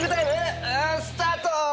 スタート！